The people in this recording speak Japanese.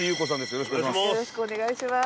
よろしくお願いします。